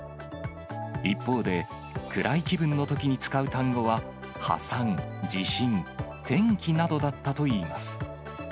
一方で、暗い気分のときに使う単語は、破産、地震、天気などだったといいます。